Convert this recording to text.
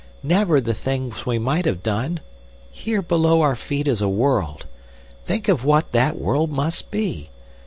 "Never the thing we might have done. Here below our feet is a world. Think of what that world must be!